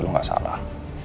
lu gak salah